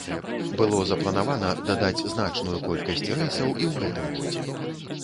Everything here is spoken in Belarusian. Было запланавана дадаць значную колькасць рэйсаў і ў гэтым годзе.